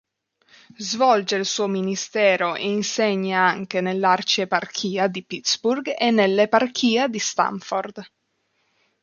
Svolge il suo ministero e insegna anche nell'arcieparchia di Pittsburgh e nell'eparchia di Stamford.